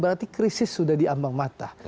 berarti krisis sudah diambang mata